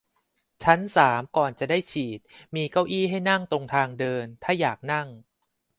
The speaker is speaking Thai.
ชั้นสามก่อนจะได้ฉีดมีเก้าอี้ให้นั่งตรงทางเดิน ถ้าอยากนั่ง